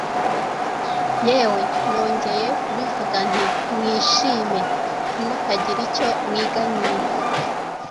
yewe, nongeye kubivuga nti ‘Mwishime!’…Ntimukagire icyo mwiganyira,